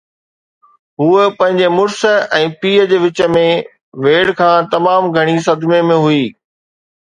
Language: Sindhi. هوءَ پنهنجي مڙس ۽ پيءُ جي وچ ۾ ويڙهه کان تمام گهڻي صدمي ۾ هئي.